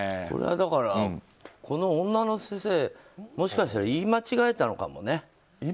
これは、だからこの女の先生もしかしたら言い間違えたのかもね。